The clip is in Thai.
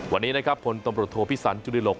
วันนี้นะครับพลตำรวจโทพิสันจุฬิหลก